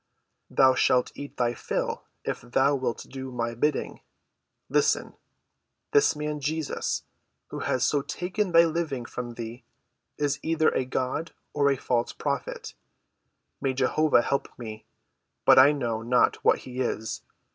"Thou shalt eat thy fill if thou wilt do my bidding. Listen. This man, Jesus, who has so taken thy living from thee, is either a God or a false prophet—may Jehovah help me, but I know not what he is!